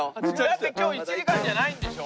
だって今日１時間じゃないんでしょ？